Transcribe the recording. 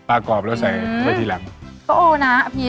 ปลากรอบแล้วใส่แล้วทีหลังเฮ้อนะภิษ